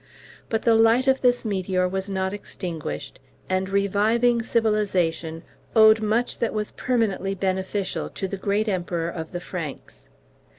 But the light of this meteor was not extinguished, and reviving civilization owed much that was permanently beneficial to the great Emperor of the Franks.